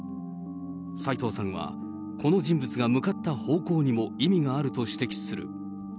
齊藤さんは、この人物が向かった方向にも意味があると指摘する。